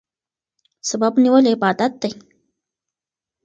سبب نیول عبادت دی.